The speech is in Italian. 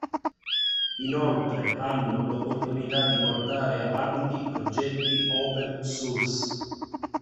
Inoltre, hanno l’opportunità di portare avanti progetti Open Source